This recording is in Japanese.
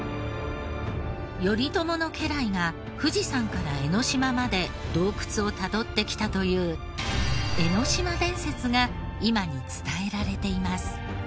頼朝の家来が富士山から江の島まで洞窟をたどってきたという江の島伝説が今に伝えられています。